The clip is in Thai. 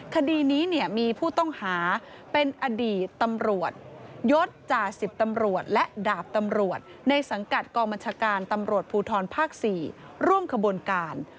คดีนี้มีผู้ต้องหาเป็นอดีตตำรวจยศจ่าสิบตำรวจและดาบตำรวจในสังกัดกองบัญชาการตำรวจภูทรภาค๔ร่วมขบวนการ